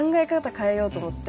変えようと思って。